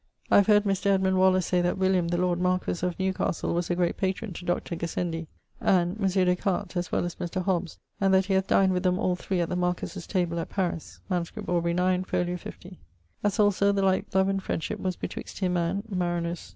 [CXXIV.] I have heard Mr. Edmund Waller say that (William) the lord marquisse of Newcastle was a great patron to Dr. Gassendi, and M. Des Cartes, as well as Mr. Hobbes, and that he hath dined with them all three at the marquiss's table at Paris. MS. Aubr. 9. fol. 50. As also the like love and friendship was betwixt him and _Marinus